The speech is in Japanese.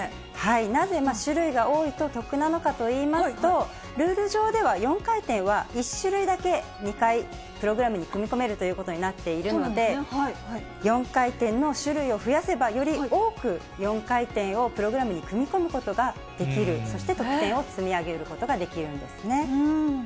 なぜ種類が多いと得なのかといいますと、ルール上では４回転は１種類だけ２回プログラムに組み込めるということになっているので、４回転の種類を増やせば、より多く、４回転をプログラムに組み込むことができる、そして、得点を積み上げることができるんですね。